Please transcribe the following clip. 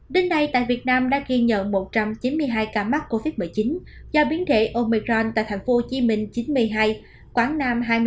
đến nay tại việt nam đã ghi nhận một trăm chín mươi hai ca mắc covid một mươi chín do biến thể omicron tại thành phố hồ chí minh chín mươi hai quảng nam hai mươi bảy quảng ninh hai mươi hà nội một mươi bốn